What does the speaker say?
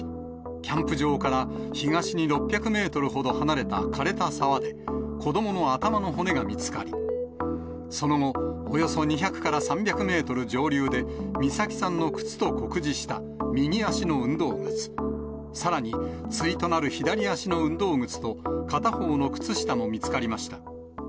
キャンプ場から東に６００メートルほど離れたかれた沢で、子どもの頭の骨が見つかり、その後、およそ２００から３００メートル上流で、美咲さんの靴と酷似した右足の運動靴、さらに、対となる左足の運動靴と片方の靴下も見つかりました。